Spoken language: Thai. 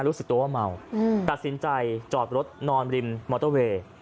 รู้สึกตัวว่าเมาตัดสินใจจอดรถนอนริมมอเตอร์เวย์